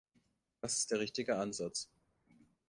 Das ist der richtige Ansatz.